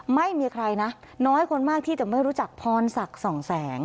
ไม่มีใครนะน้อยคนมากที่จะไม่รู้จักพรศักดิ์สองแสง